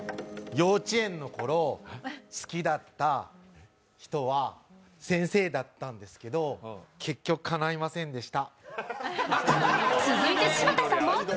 幼稚園のころ好きだった人は先生だったんですけど、かないませんでした。